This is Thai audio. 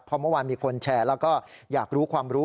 เพราะเมื่อวานมีคนแชร์แล้วก็อยากรู้ความรู้